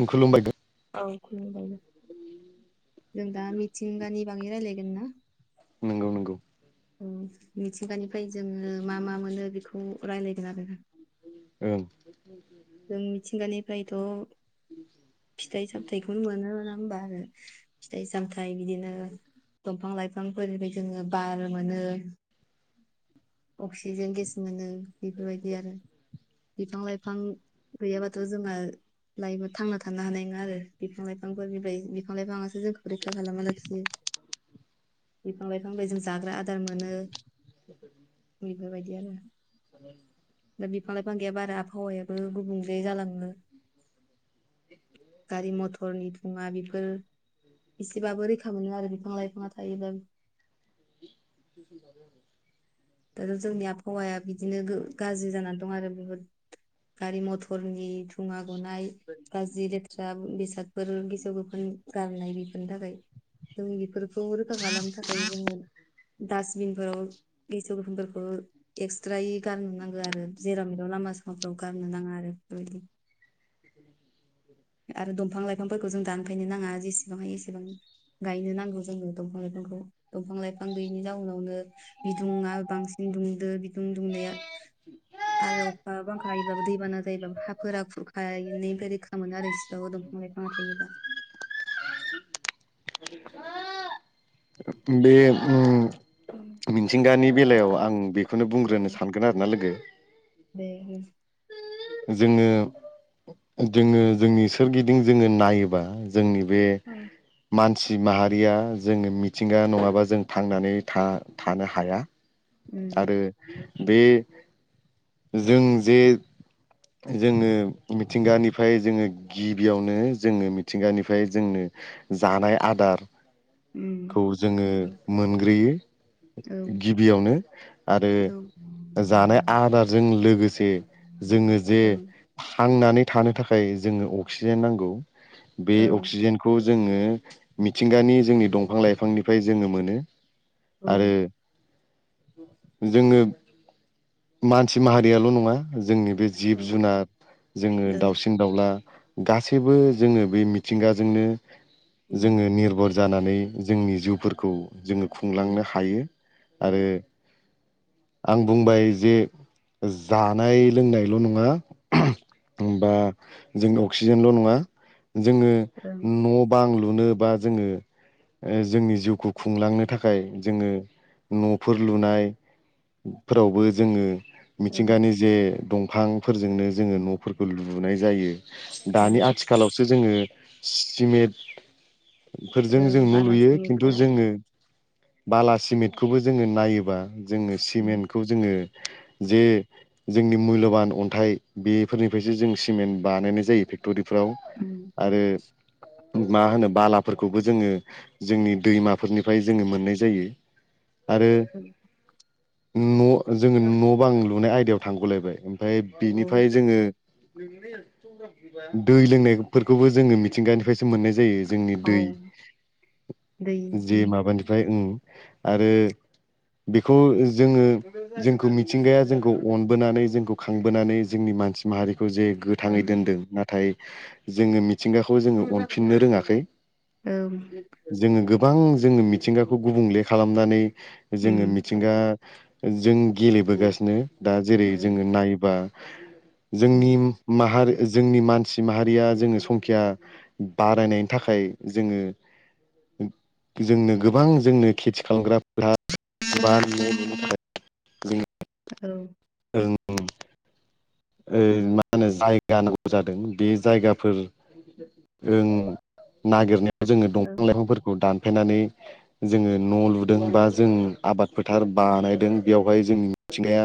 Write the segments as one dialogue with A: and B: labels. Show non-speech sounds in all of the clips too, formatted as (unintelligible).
A: उम खुलुमबाय।
B: औ खुलुमबाय। जों दा मिथिंगानि बागै रायलायगोन ना?
A: नंगौ नंगौ।
B: औ मिथिंगानिफ्राय जोङो मा मा मोनो बेखौ रायलायगोन आरो।
A: ओं
B: जों मिथिंगानिफ्रायथ' फिथाइ सामथायखौनो मोनो नङा होमबा आरो? फिथाइ सामथाय बिदिनो दंफां लाइफां। बिफांफोरनिफ्राय जोङो बार मोनो। अक्सिजेन गेस मोनो बेफोरबायदि आरो बिफां लाइफां गैयाबाथ' जोंहा लइपाव थांना थानो हानाय नङा आरो बिफां लाइफांफोरनिफ्राय बिफां लाइफां जोंखौ रैखा खालामा लासिनो बिफां लाइफांबायजों जाग्रा आदार मोनो बेफोरबायदि आरो दा बिफां लाइफां गया बारा आबहावायाबो गुबुंले जालाङो गारि मथ'रनि थुङा बेफोर एसेबाबो रैखा मोनो आरो बिफां लाइफाङा थायोब्लाो (unintelligible) दाथ' जोंनि आबहावाया बिदिनो गो--गाज्रि जानानै दं आरो बहुद गारि मथरनि थुङा गनाय गाज्रि लेथ्रा बेसादफोर गिसाव गोफोन गारनाय बेफोरनि थाखाय जों बेफोरखौ रोखा खालामनो थाखाय जोङो डास्टबिनफोराव गेसो गोदुंफोरखौ एक्सट्रायै गारनो नांगौ आरो जेरा मेदाव लामा सामाफ्राव गारनो नाङा आरो उम आरो दंफां लाइफांफोरखौ जों दानफैनो नाङा जेसेबां हायो एसेबां गायनो नांगौ जोंङनो दंफां लाइफांखौ दंफां लाइफां गैयैनि जाउनावनो बिदुंआ बांसिन दुंदो बिदुं दुंनाया आरो अखा बांखाायोबाबो दैबाना जायोबो हाफोरा खुरखनायनिफ्राय रोखा मोनो आरो एसेबाबो दंफां लायफांआ थायोबा
A: बे उम मिथिंगानि बेलायाव आं बेखौनो बुंग्रोनो
B: औ
A: सानगोन आरो ना लोगो
B: दे
A: जोङो जोङो जोंनि सोरगिदिं जोङो नायोबा जोंनि बे मान सि माहारिया जोङो मिथिंगा नङाबा जों थांनानै थानो हाया
B: उम
A: आरो बे जों जे जोङो मिथिंगानिफ्राय जोङो गिबियावनो जोङो मिथिंगानिफ्राय जोंनो जानाय
B: उम
A: आदारखौ जोङो
B: नंगौ
A: मोनग्रोयो
B: औ
A: गिबियावनो आरो
B: औ
A: जानाय आदारजों लोगोसे जोङो दे
B: ओं
A: थांनानै थानो थाखाय जोङो अक्सिजेन नांगौ बे
B: औ
A: अक्सिजेनखौ जोङो मिथिंगानि जोंनि दंफां लाइफांनिफ्राय जोङो मोनो
B: औ
A: आरो जोङो मानसि माहारियाल' नङा जोंनि बे जिब
B: औ
A: जुनार जोङो
B: ओं
A: दाउसिन दाउला गासैबो जोङो बे मिथिंगाजोंनो
B: उम
A: जोङो निर्भर जानानै जोंनि जिउफोरखौ जोङो खुंलांनो
B: उम
A: हायो आरो आं बुंबाय जे जानाय लोंनाय ल' नङा बा जों अक्सिजेनल' नङा जोङो
B: ओं
A: न' बां लुनो बा जोङो ओ जोंनि जिउखौ खुंलांनो थाखाय जोङो न'फोर लुनाय फोरावबो जोङो
B: ओं
A: मिथिंगानि जे दंफांफोरजोंनो जोङो
B: उम
A: न'फोरखौ लुनाय जायो दानि
B: औ
A: आथिखालावसो जोङो सिमेन्ट फोरजों जों
B: ओं
A: न' लुयो
B: बालासिनि
A: खिन्थु जोङो बाला सिमेन्टखौबो जोङो नायोबा जोङो
B: उम
A: सिमेन्टखौ जोङो जे जोंनि मुल्यबान अन्थाइ बेफोरनिफ्रायसो जों सिमेन्ट बानायनाय जायो फेक्टरिफ्राव आरो
B: (inaudible)
A: मा होनो बालाफोरखौबो जोङो जोंनि दैमाफोरनिफ्राय जोङो मोननाय जायो आरो
B: उम
A: न' जोङो न' बां लुनाय आयदायाव थांग'लायबाय ओमफ्राय
B: औ
A: बिनिफ्राय जोङो दै लोंनायफोरखौबो जोङो मिथिंगानिफ्राय मोननाय जायो जोंनि
B: औ
A: दै
B: दै
A: जे माबानिफ्राय ओ आरो बेखौ जोङो जोंखौ मिथिंगाया जोंखौ अनबोनानै जोंखौ खांबोनानै जोंनि मानसि माहारिखौ जे गोथाङै
B: ओं
A: दोनदों ना नाथाय जोङो मिथिंगाखौ जोङो अनफिननो रोङाखै
B: ओं
A: जोङो गोबां जोङो मिथिंगाखौ गुबुंले खालामनानै
B: उम
A: जोङो मिथिंगा जों गेलेबोगासिनो दा जेरै जोङो नायोबा
B: उम
A: जोंनि माहारि जोंनि मानसि माहारिया जोङो संखिया बारायनायनि थाखाय जोङो जोंनो गोबां जोंनो खेथि खालामग्राफोरा (unintelligible)
B: औ
A: जों मा होनो जायगा नांगौ जादों बे जायगाफोर ओं नागिरनायाव जोङो
B: औ
A: दंफां लाइफांफोरखौ दानफायनानै जोङो न' लुदों बा जों आबाद फोथार बानायदों बेवहाय जोंनि मिथिंगाया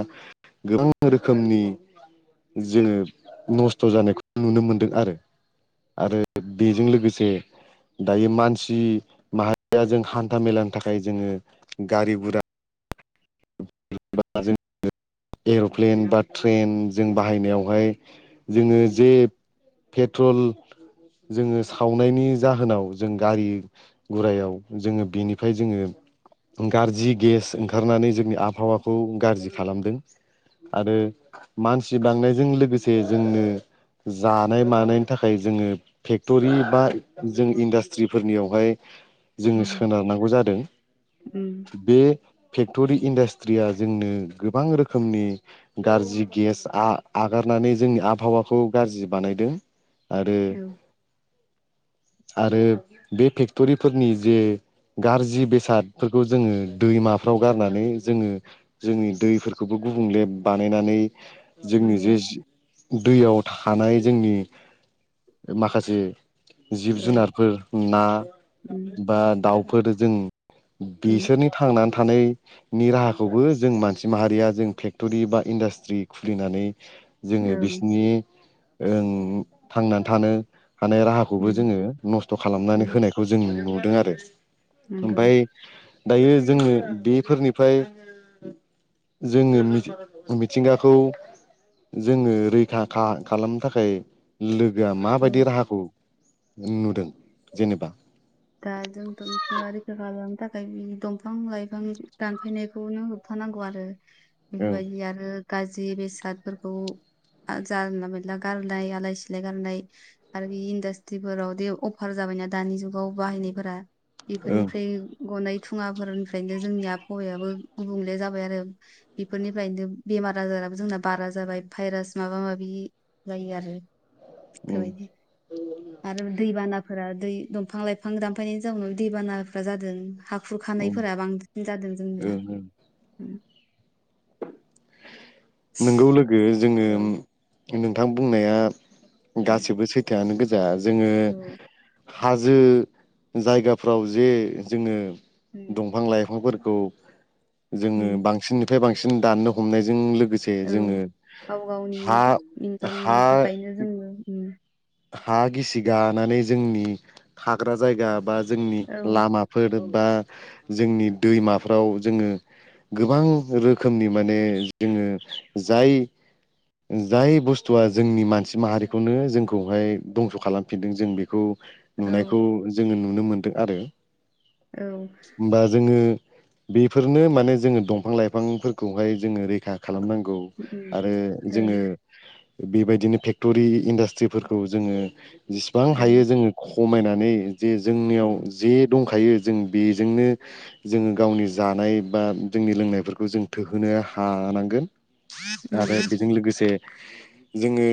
A: गोबां रोखोमनि जोङो नस्थ' जानायखौ नुनो मोनदों आरो आरो बेजों लोगोसे दायो मानसि माहारिया जों हान्था मेलानि थाखाय जोङो गारि गुरा जों एर'प्लेन बा ट्रेन जों बाहायनायावहाय जोङो जे पेट्रल जोङो सावनायनि जाहोनाव जों गारि गुरायाव जोङो बिनिफ्राय जोङो गारजि गेस ओंखारनानै जोंनि आबहावाखौ गारजि खालामदों आरो मानसि बांनायजों लोगोसे जोंनो जानाय मानायनि थाखाय जोङो फेक्ट'रि बा जों इन्डास्ट्रिफोरनियावहाय
B: औ
A: जोङो सोनारनांगौ जादों
B: उम
A: बे फेक्टरि इन्डास्ट्रिया जोंनो गोबां रोखोमनि गाज्रि गेस आगारनानै जों आबहावाखौ गाज्रि बानायदों आरो
B: औ
A: आरो बे फेक्टरिफोरनि जे गारजि बेसादफोरखौ जोङो दैमाफ्राव गारनानै जोङो जोंनि दैफोरखौबो गुबुंले बानायनानै जोंनि
B: नंगौ
A: जे दैयाव थानाय जोंनि माखासे जिब
B: औ
A: जुनारफोर ना
B: उम
A: बा दाउफोर जों
B: उम
A: बिसोरनि थांनानै थानाय नि राहाखौबो जों मानसि माहारिया जों फेक्ट'रि बा इन्डास्ट्रि खुलिनानै जोङो
B: ओं
A: बिसिनि ओं थांनानै थानो हानाय राहाखौबो
B: उम
A: जोङो नस्थ' खालामनानै
B: उम
A: होनायखौ जों नुदों आरो
B: नंगौ
A: ओमफ्राय दायो जोंनो बेफोरनिफ्राय जोङो मिथिंगाखौ जोङो रैखा खालामनो थाखाय लोगो
B: औ
A: माबायदि राहाखौ नुदों जेनेबा
B: दा जोंथ' मिथिंगा रैखा खालामनो थाखाय बि दंफां लाइफां दानफायनायखौनो होबथानो नांगौ आरो
A: ओं
B: बेफोरबायदि आरो गाज्रि बेसादफोरखौ जानला मेरला गारनाय आलाय सिलाय गारनाय आरो बे इन्डासट्रिफोरावदि अफार जाबाय जाबायना दानि जुगाव बाहायनायफोरा
A: ओं
B: बेफोरनिफ्राय गनाय थुङाफोरनिफ्रायनो जोंनि आबहावायाबो गुबुंले जाबाय आरो बेफोरनिफ्रायनो बेमार आजार बो जोंना बारा जाबाय भाइरास माबा माबि जायो आरो
A: ओं
B: बेफोरदि आरो दैबानाफोरा दै दं बिफां लाइफां दानफायनि जोन दैबानाफ्रा जादों
A: ओं
B: हाखुरखानायफोरा बांसिन जादों
A: ओं
B: जोंनिया
A: ओं नोंगौ लोगो जोङो नोंथां बुंनाया
B: औ
A: गासिबो सैथोयानो गोजा दा जोङो
B: औ
A: हाजो जायगाफ्राव जे जोङो
B: उम
A: दंफां लाइफांफोरखौ जोङो
B: उम
A: बांसिननिफ्राय बांसिन सिन दाननो हमनायजों लोगोसे
B: औ
A: जोङो
B: गाव गावनि
A: हा हा
B: इनकामनि थाखायनो जोङो उम
A: हा गिसि गानानै जोंनि थाग्रा जायगा बा जोंनि
B: औ
A: लामाफोर बा जोंनि दैमाफ्राव जोङो गोबां रोखोमनि माने जोङो जाय जाय बुस्थुआ जोंनि मानसि माहारिखौनो जोंखौ खौहाय दंस' खालामफिनदों जों बेखौ
B: औ
A: नुनायखौ जोङो नुनो मोनदों आरो
B: औ
A: बा जोङो बेफोरनो माने जोङो दंफां लाइफांफोरखौहाय जोङो रैखा खालामनांगौ
B: उम
A: आरो
B: ओं
A: जोङो बेबायदिनो फेक्ट'रि इन्डास ट्रिफोरखौ जोङो जेसेबां हायो
B: ओं
A: जोङो खमायनानै जे जोंनियाव
B: उम
A: जे दं खायो जों बेजोंनो जोङो गावनि जानाय बा जोंनि लोंनायफोरखौ जों थोहोनो हानांगोन आरो
B: उम
A: बेजों लोगोसे जोङो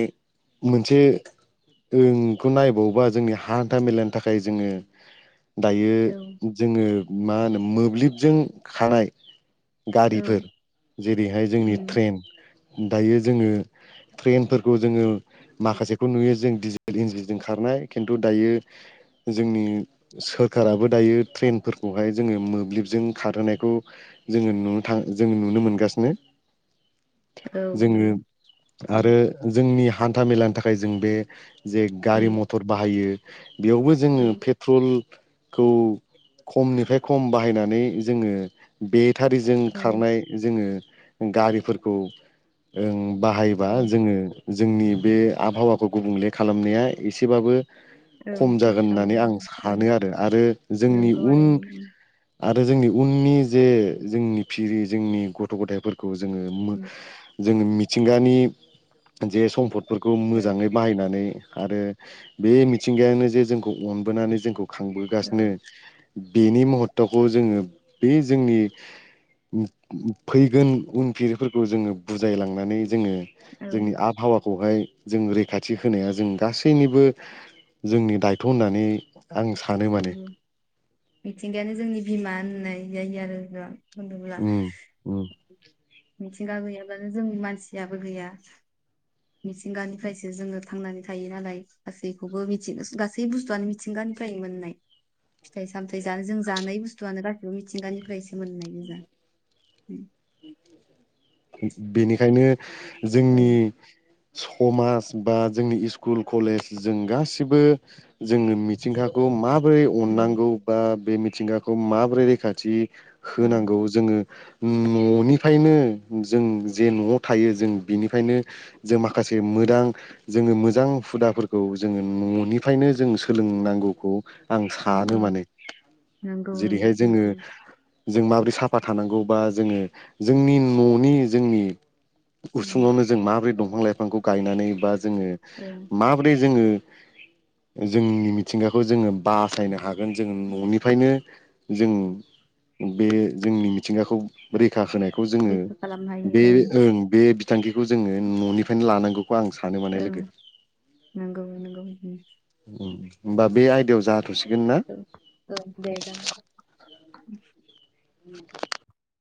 A: मोनसे जोंखौ नायबावोबा जोंनि हान्था मेलानि थाखाय जोङो दायो
B: औ
A: जोङो मा होनो मोब्लिबजों खानाय
B: औ
A: गारिफोर जेरैहाय जोंनि
B: उम
A: ट्रेन दायो जोङो ट्रेनफोरखौ जोङो माखासे खौ नुयो जों डिजेल इन्जिनजों खारनाय खिन्थु दायो जोंनि सोरखाराबो दायो ट्रेनफोरखौहाय जोङो मोब्लिबजों खारहोनायखौ जोङो नुनो था जोङो नुनो मोनगासिनो
B: (unintelligible) औ
A: जोङो
B: नंगौ, उम
A: आरो जोंनि हान्था मेलानि थाखाय जों बे जे
B: उम
A: गारि मथर बाहायो बेयावबो जोङो
B: औ
A: पेट्रल खौ खमनिफ्राय खम बाहायनानै जोङो बे टारिजों
B: औ
A: खारनाय जोङो गारिफोरखौ ओं बाहायोबा
B: औ
A: जोङो जोंनि बे आबहावाखौ गुबुंले खालामनाया एसेबाबो
B: औ
A: खम जागोन
B: रैखा
A: होननानै आं
B: मोनगोन ओं
A: सानो आरो आरो जोंनि
B: नंगौ
A: उन
B: आरो बेयो उम
A: आरो जोंनि उननि जे जोंनि फिरि जोंनि गथ' गथायफोरखौ जोङो मो
B: उम
A: जोङो मिथिंगानि जे सम्फदफोरखौ
B: औ
A: मोजाङै बाहायनानै आरो बे मिथिंगायानो जे जोंखौ अनबोनानै जोंखौ खांबोगासिनो
B: औ
A: बेनि महत्त'खौ जोङो बे जोंनि फैगोन उनफिफोरखौ जोङो बुजायलांनानै जोङो
B: औ
A: जोंनि आबहावाखौहाय जों रैखाथि होनाया जों गासैनिबो जोंनि दायथ' होननानै आं सानो माने
B: नंगौ मिथिंगायानो जोंनि बिमा होननाय जायो जों होनोब्ला
A: उम उम
B: मिथिंगा गैयाब्लानो जोंनि मानसियाबो गैया मिथिंगानिफ्रायसो जोङो थांनानै थायो नालाय गासैखौबो मिथि गासै बुस्थुआनो मिथिंगानिफ्राय नाय फिथाइ सामथाय जानो जों जानाय बुस्थुआनो गासिबो मिथिंगानिफ्रायस सोमोननाय गोजा
A: बेनिखायनो जोंनि
B: उम
A: समाज बा जोंनि स्कुल कलेज जों गासिबो जोंनो मिथिंगाखौ मा माबोरै अननांगौ बा बे मिथिंगाखौ माबोरै रैखाथि
B: औ
A: होनांगौ जोङो न'निफ्रायनो जों जे न'आव थायो जों बिनिफ्रायनो जों माखासे मो थां जोङो मोजां हुदाफोरखौ जोङो न'निफ्रायनो जों सोलोंनांगौखौ आं सानो
B: औ
A: माने
B: नंगौ
A: जेरैहाय जोङो
B: नंगौ
A: जों माबोरै साफा थानांगौ बा जोङो जोंनि न'नि जोंनि
B: उम
A: उसुङावनो जों माबोरै दंफां लाइफांखौ गायनानै बा जोङो
B: ओं
A: माबोरै जोङो
B: (inaudible)
A: जोंनि मिथिंगाखौ जोङो बासायनो हागोन जोङो न'निफ्रायनो जों बे जोंनि मिथिंगाखौ रैखा होनायखौ जोङो
B: रैखा खालामनो हायो
A: बे
B: ओं
A: ओ बे बिथांखिखौ जोङो न'निफ्रायनो लानांगौ खौ आं सानो माने
B: ओं
A: लोगो
B: नंगौ नंगौ उम
A: होनोमबा बे आयदायाव जाहाथ
B: ओ ओ दे जा
A: (inaudible)